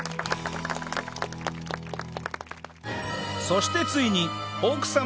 そしてついに奥様